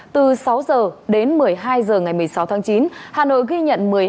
từ sáu giờ đến một mươi hai giờ ngày một mươi sáu tháng chín hà nội ghi nhận